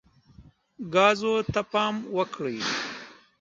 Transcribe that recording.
ګازو ته پام وکړئ.